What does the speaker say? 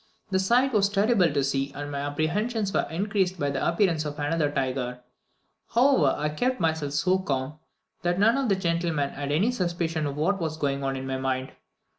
The sight was terrible to see, and my apprehensions were increased by the appearance of another tiger; however, I kept myself so calm, that none of the gentlemen had any suspicion of what was going on in my mind.